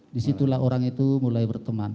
disitulah orang itu mulai berteman